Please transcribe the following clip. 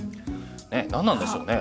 ねっ何なんでしょうね。